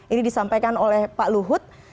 ini disampaikan oleh pak luhut